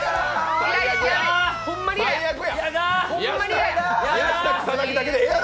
最悪や！